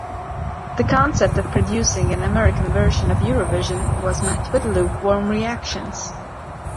The concept of producing an American version of Eurovision was met with lukewarm reactions.